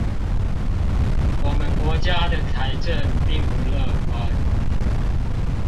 我們國家的財政並不樂觀